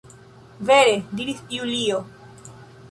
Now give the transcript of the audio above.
Vere! diris Julio.